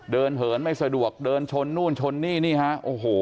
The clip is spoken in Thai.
เหินไม่สะดวกเดินชนนู่นชนนี่นี่ฮะโอ้โห